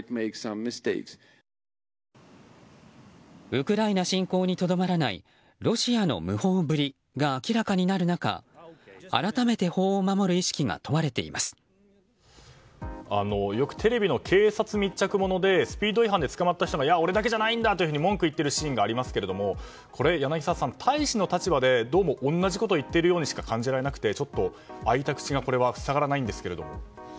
ウクライナ侵攻にとどまらないロシアの無法ぶりが明らかになる中改めてよくテレビの警察密着ものでスピード違反で捕まった人がいや、俺だけじゃないんだと文句を言っているシーンがありますけどこれ、柳澤さん大使の立場でどうも同じことを言っているようにしか感じられなくてちょっと開いた口が塞がらないですけど。